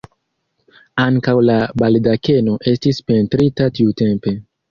Ankaŭ la baldakeno estis pentrita tiutempe.